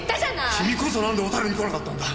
君こそなんで小樽に来なかったんだ！